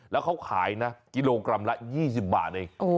แล้วเค้าขายนะกิโลกรัมละ๒๐บาทเห็นไหม